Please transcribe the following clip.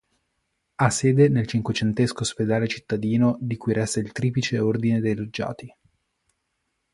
Ha sede nel cinquecentesco ospedale cittadino di cui resta il triplice ordine dei loggiati.